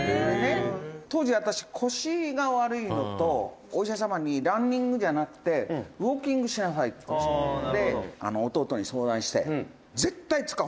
「当時、私、腰が悪いのとお医者様にランニングじゃなくてウォーキングしなさいって」「弟に相談して、絶対使う。